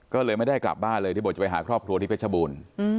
ก็เลยไม่ได้กลับบ้านเลยที่บอกจะไปหาครอบครัวที่เพชรบูรณ์